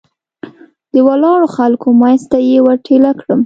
د ولاړو خلکو منځ ته یې ور ټېله کړم.